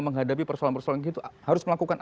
menghadapi persoalan persoalan gitu harus melakukan